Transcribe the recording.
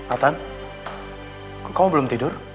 atan kok kamu belum tidur